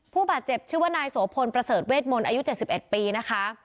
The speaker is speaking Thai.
ผู้บาดเจ็บชื่อว่านายสวพลประเสริฐเวทมนตร์อายุเจ็ดสิบเอ็ดปีนะคะ